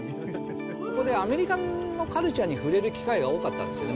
そこでアメリカのカルチャーに触れる機会が多かったんですね。